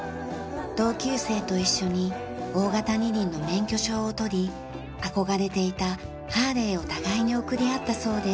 同級生と一緒に大型二輪の免許証を取り憧れていたハーレーを互いに贈り合ったそうです。